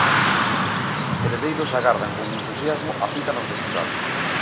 Heredeiros agardan con entusiasmo a cita no festival.